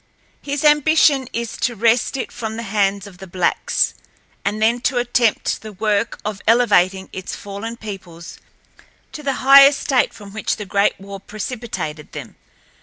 His ambition is to wrest it from the hands of the blacks, and then to attempt the work of elevating its fallen peoples to the high estate from which the Great War precipitated them.